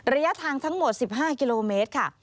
ระยะทางทั้งหมด๑๕กิโลเมตรค่ะ